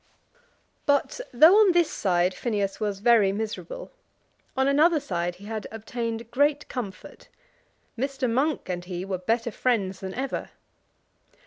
But though on this side Phineas was very miserable, on another side he had obtained great comfort. Mr. Monk and he were better friends than ever.